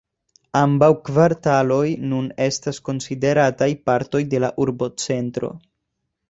Ambaŭ kvartaloj nun estas konsiderataj partoj de la urbocentro.